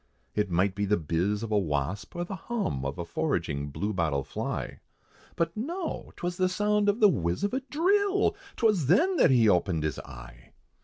It might be the bizz of a wasp, or the hum, Of a foraging blue bottle fly, But no! 'twas the sound of the whizz of a drill! 'Twas then that he opened his eye.